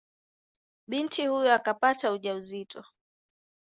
Binti huyo akapata ujauzito.